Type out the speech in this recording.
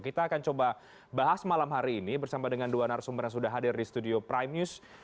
kita akan coba bahas malam hari ini bersama dengan dua narasumber yang sudah hadir di studio prime news